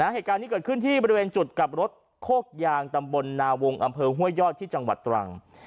เหตุการณ์นี้เกิดขึ้นที่บริเวณจุดกลับรถโคกยางตำบลนาวงอำเภอห้วยยอดที่จังหวัดตรัง